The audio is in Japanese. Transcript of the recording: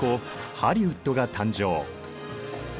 ハリウッドが誕生。